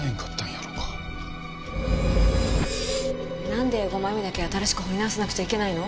なんで５枚目だけ新しく彫り直さなくちゃいけないの？